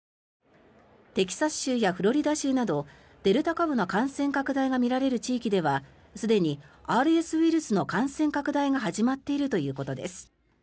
テキサス州やフロリダ州などデルタ株の感染拡大がみられる地域ではすでにＲＳウイルスの感染拡大が始まっているということです。